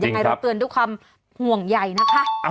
ยังไงเราเตือนด้วยความห่วงใหญ่นะคะ